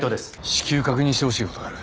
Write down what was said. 至急確認してほしい事がある。